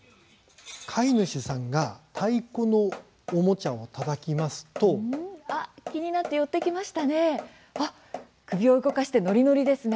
飼い主さんが太鼓のおもちゃをたたきますと気になってますね。